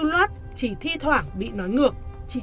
khi về nhà cháu ăn nói lưu loát chị thi thoảng bị nói ngược chị chia sẻ